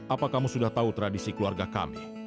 apa kamu sudah tahu tradisi keluarga kami